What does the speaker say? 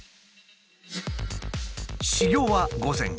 始業は午前９時。